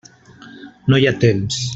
No hi ha temps.